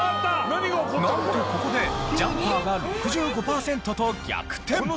なんとここでジャンパーが６５パーセントと逆転。